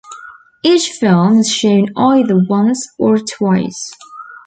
Each film is shown either once or twice.